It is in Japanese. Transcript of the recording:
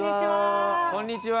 こんにちは。